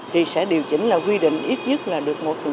thì sẽ điều chỉnh là quy định ít nhất là được một